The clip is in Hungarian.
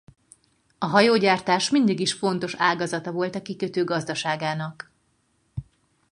A hajógyártás mindig is fontos ágazata volt a kikötő gazdaságának.